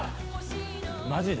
マジで？